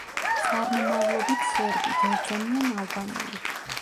წარმომავლობით სერბი, ბერძენი ან ალბანელი.